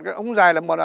cái ống dài là một